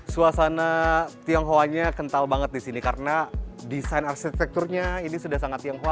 suasana tionghoanya kental banget di sini karena desain arsitekturnya ini sudah sangat tionghoa